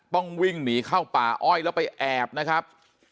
ต้องวิ่งหนีเข้าป่าอ้อยแล้วไปแอบนะครับ